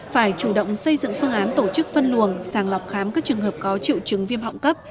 phải chủ động xây dựng phương án tổ chức phân luồng sàng lọc khám các trường hợp có triệu chứng viêm họng cấp